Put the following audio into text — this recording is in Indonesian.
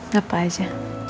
gak apa aja